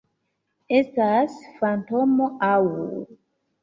Estas fantomo aŭ...